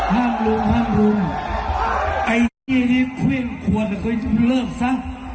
ห้ามลุงห้ามลุงไอ้เนี้ยนี่ควิ่งควรไปเลิกซะ